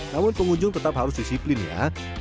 namun pengunjung tetap harus disiplin ya